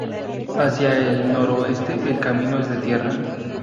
Hacia el noroeste el camino es de tierra.